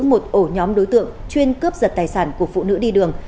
một ổ nhóm đối tượng chuyên cướp giật tài sản của phụ nữ đi đường